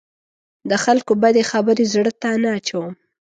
د خلکو بدې خبرې زړه ته نه اچوم.